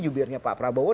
jubirnya pak prabowo